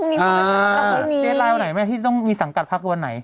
พรุ่งนี้อ่าพรุ่งนี้เต้นไลน์ว่าไหนแม่ที่ต้องมีสังกัดพักวันไหน